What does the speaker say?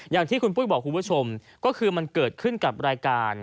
อย่างที่คุณปุ้ยบอกคุณผู้ชมก็คือมันเกิดขึ้นกับรายการ